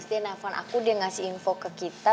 dia nelfon aku dia ngasih info ke kita